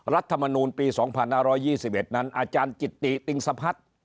รัฐมนูลปี๒๕๒๑นั้นอาจารย์จิตติติงสะพัฒน์